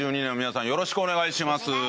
２０２２年も皆さんよろしくお願いします。